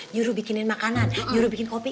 juru bikinin makanan juru bikin kopi